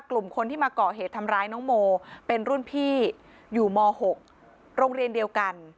กลุ่มคนที่มาก่อเหตุทำร้ายน้องโมเป็นรุ่นพี่อยู่ม๖โรงเรียนเดียวกัน